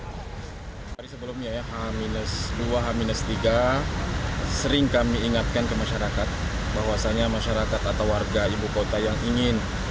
hari sebelumnya ya h dua h tiga sering kami ingatkan ke masyarakat bahwasannya masyarakat atau warga ibu kota yang ingin